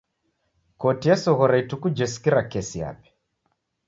Koti esoghora ituku jesikira kesi yape.